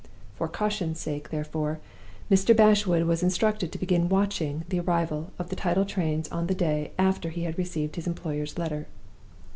For caution's sake, therefore, Mr. Bashwood was instructed to begin watching the arrival of the tidal trains on the day after he had received his employer's letter.